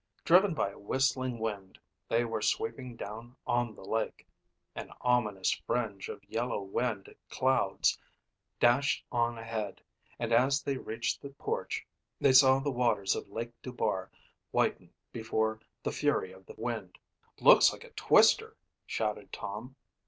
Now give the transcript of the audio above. Driven by a whistling wind, they were sweeping down on the lake. An ominous fringe of yellow wind clouds dashed on ahead and as they reached the porch they saw the waters of Lake Dubar whiten before the fury of the wind. "Looks like a twister," shouted Tom.